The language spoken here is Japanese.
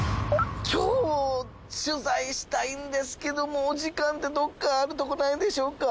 今日取材したいんですけどもお時間ってどっかあるとこないでしょうか？